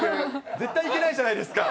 絶対行けないじゃないですか。